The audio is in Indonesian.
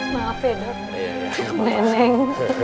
maaf ya dok neneng